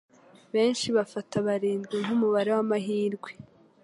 Benshi bafata barindwi nkumubare wamahirwe.